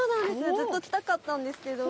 ずっと来たかったんですけど。